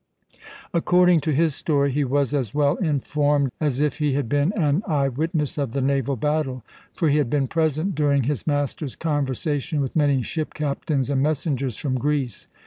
According to his story, he was as well informed as if he had been an eye witness of the naval battle; for he had been present during his master's conversation with many ship captains and messengers from Greece.